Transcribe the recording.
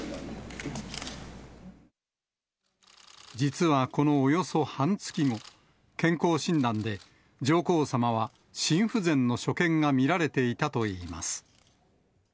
実はこのおよそ半月後、健康診断で、上皇さまは心不全の所見が見られていたといいます。